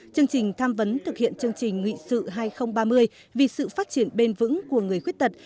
chương trình tham vấn thực hiện chương trình nghị sự hai nghìn ba mươi vì sự phát triển bền vững của người khuyết tật